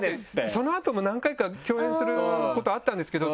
その後も何回か共演することあったんですけど。